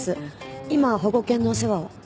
今は保護犬のお世話を。